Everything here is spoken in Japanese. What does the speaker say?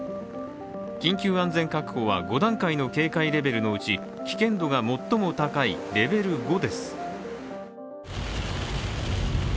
緊急安全確保は５段階の警戒レベルのうち危険度が最も高いレベル５です。